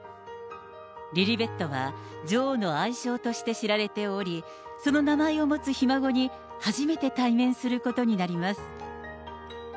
リリベットは女王の愛称として知られており、その名前を持つひ孫に初めて対面することになります。